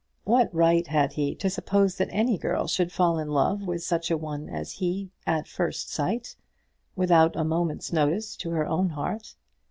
What right had he to suppose that any girl should fall in love with such a one as he at first sight, without a moment's notice to her own heart?